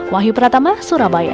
wahyu pratama surabaya